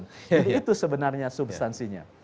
jadi itu sebenarnya substansinya